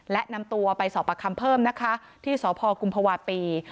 และนำตัวไปสอบประคำเพิ่มนะคะที่สพกุมภาวะปี